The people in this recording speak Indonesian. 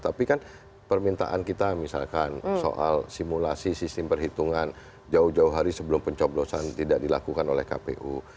tapi kan permintaan kita misalkan soal simulasi sistem perhitungan jauh jauh hari sebelum pencoblosan tidak dilakukan oleh kpu